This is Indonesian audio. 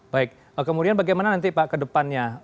baik kemudian bagaimana nanti pak ke depannya